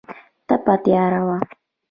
تپه تیاره وه.